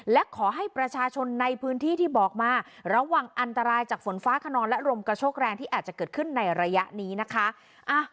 และขอให้ประชาชนในพื้นที่ที่บอกมาระวังอันตรายจากฝนฟ้าขนองและลมกระโชคแรงที่อาจจะเกิดขึ้นในระยะนี้นะคะ